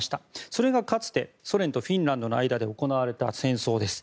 それが、かつてソ連とフィンランドの間で行われた戦争です。